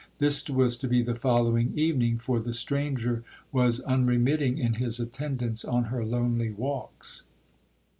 This was to be the following evening, for the stranger was unremitting in his attendance on her lonely walks.